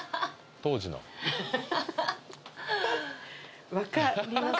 当時の分かりますか？